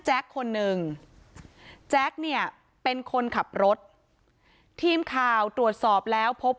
คนหนึ่งแจ๊กเนี่ยเป็นคนขับรถทีมข่าวตรวจสอบแล้วพบ